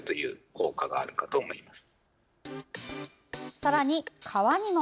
さらに、皮にも。